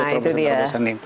nah itu dia